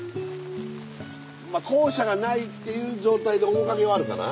校舎がないっていう状態で面影はあるかな？